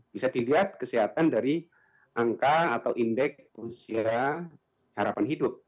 bisa dilihat kesehatan dari angka atau indeks usia harapan hidup